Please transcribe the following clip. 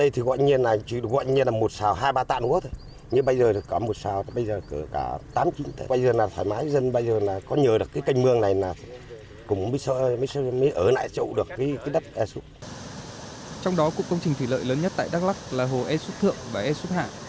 trong đó cục công trình thủy lợi lớn nhất tại đắk lắc là hồ esup thượng và esup hạ